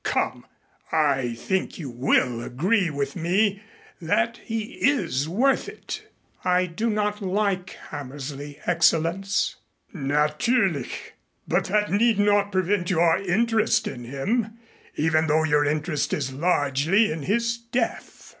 Come, I think you will agree with me that he is worth it." "I do not like Hammersley, Excellenz." "Natürlich! But that need not prevent your interest in him, even though your interest is largely in his death."